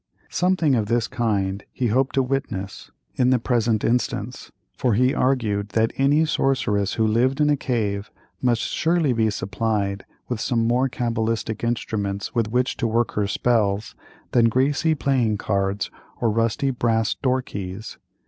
Something of this kind he hoped to witness in the present instance, for he argued that any sorceress who lived in a cave must surely be supplied with some more cabalistic instruments with which to work her spells than greasy playing cards or rusty brass door keys.